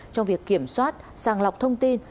trong việc kiểm soát sàng lọc thông tin